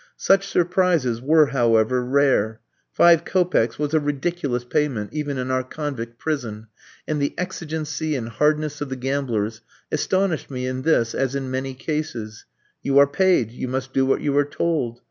Such surprises were, however, rare. Five kopecks was a ridiculous payment even in our convict prison, and the exigency and hardness of the gamblers astonished me in this as in many cases: "You are paid, you must do what you are told."